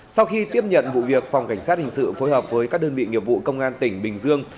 sau khi tiếp nhận vụ việc phòng cảnh sát hình sự phối hợp với các đơn vị nghiệp vụ công an tỉnh bình dương